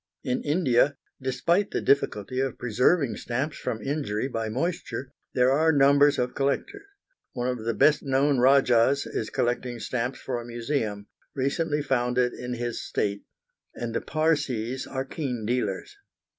In India, despite the difficulty of preserving stamps from injury by moisture, there are numbers of collectors; one of the best known rajahs is collecting stamps for a museum, recently founded in his State, and the Parsees are keen dealers.